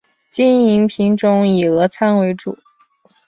经营品种以俄餐为主。